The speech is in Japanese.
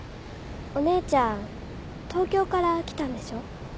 おねえちゃん東京から来たんでしょ。